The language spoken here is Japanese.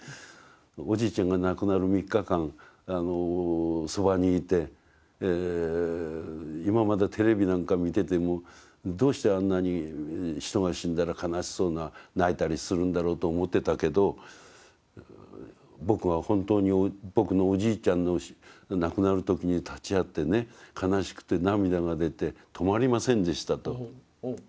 「おじいちゃんが亡くなる３日間そばにいて今までテレビなんか見ててもどうしてあんなに人が死んだら悲しそうな泣いたりするんだろうと思ってたけど僕は本当に僕のおじいちゃんの亡くなる時に立ち会ってね悲しくて涙が出て止まりませんでした」と。